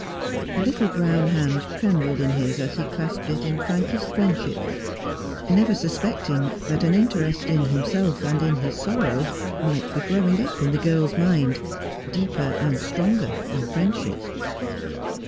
The little brown hand trembled in his as he clasped it in frankest friendship — never suspecting that an interest in himself and in his sorrow might be growing up in the girl's mind, deeper and stronger than friendship.